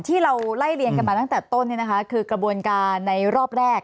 ที่เราไล่เรียงกันมาตั้งแต่ต้นคือกระบวนการในรอบแรก